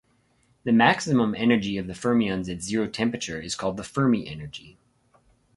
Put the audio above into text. The maximum energy of the fermions at zero temperature is called the Fermi energy.